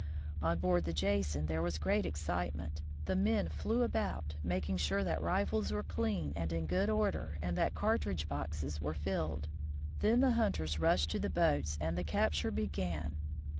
On board the Jason there was great excitement. The men flew about, making sure that rifles were clean and in good order and that cartridge boxes were filled. Then the hunters rushed to the boats and the capture began.